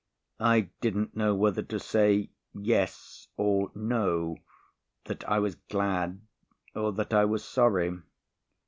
I didn't know whether to say "yes" or "no," that I was glad or that I was sorry.